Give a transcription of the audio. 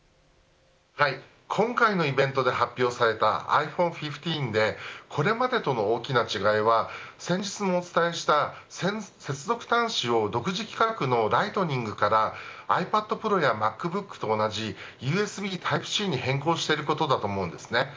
今回のイベントで発表されたｉＰｈｏｎｅ１５でこれまでとの大きな違いは先日もお伝えした接続端子を独自規格のライトニングからｉＰａｄＰｒｏやＭａｃＢｏｏｋと同じＵＳＢタイプＣに変更していることだと思います。